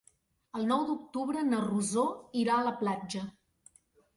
El nou d'octubre na Rosó irà a la platja.